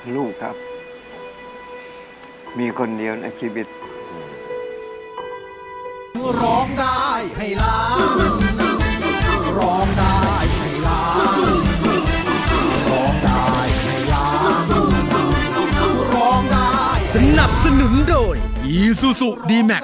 ลูกครับมีคนเดียวในชีวิต